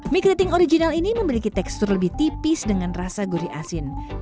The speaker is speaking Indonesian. mie keriting original ini memiliki tekstur lebih tipis dengan rasa gurih asin